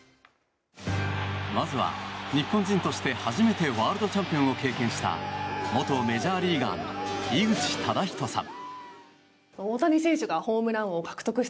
まずは日本人として初めてワールドチャンピオンを経験した元メジャーリーガーの井口資仁さん。